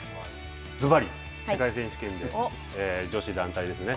ずばり、世界選手権で、女子団体ですね。